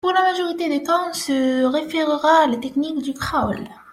Pour la majorité des cas, on se référera à la technique du crawl.